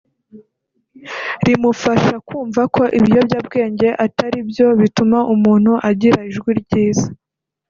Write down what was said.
rimufasha kumva ko ibiyobyabwenge atari byo bituma umuntu agira ijwi ryiza